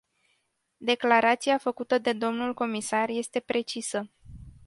Declarația făcută de domnul comisar este precisă.